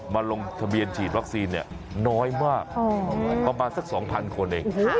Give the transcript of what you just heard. มาลงทะเบียนฉีดวัคซีนเนี่ยน้อยมากประมาณสักสองพันคนเอง